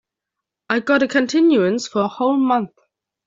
I got a continuance for a whole month.